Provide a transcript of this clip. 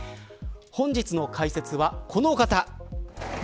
本日の解説は、このお方。